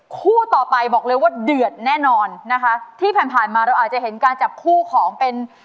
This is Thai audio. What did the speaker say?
คู่ต่อไปบอกเลยว่าเดือดแน่นอนนะคะที่ผ่านมาเราอาจจะเห็นการจับคู่ของเป็น